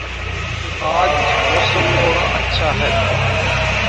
آج موسم تھوڑا اچھا ہے